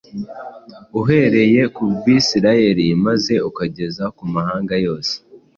uhereye ku Bisirayeli maze ukageza mu mahanga yose,